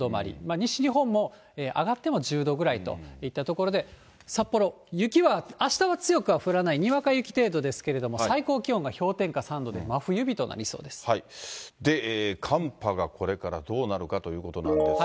西日本も上がっても１０度ぐらいといったところで、札幌、雪はあしたは強く降らない、にわか雪程度ですけれども、最高気温が氷点下３度で真冬日となりで、寒波がこれからどうなるかということなんですけど。